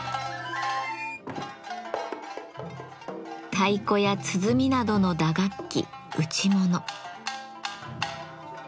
太鼓や鼓などの打楽器「打ちもの」。